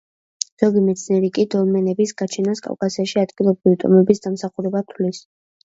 ზოგი მეცნიერი კი დოლმენების გაჩენას კავკასიაში ადგილობრივი ტომების დამსახურებად თვლის.